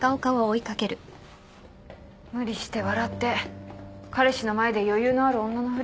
無理して笑って彼氏の前で余裕のある女のふり？